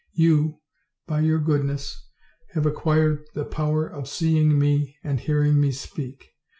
You, by your goodness, have acquired the power of seeing me and hearing me speak.